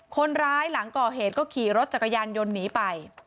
คนร้ายหลังก่อเหตุก็ขี่รถจักรยานยนต์หนีไป